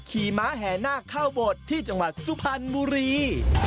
ขี่ม้าแห่นาคเข้าโบสถ์ที่จังหวัดสุพรรณบุรี